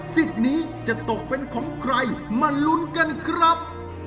สิทธิ์นี้จะตกเป็นของใครมาลุ้นกันครับ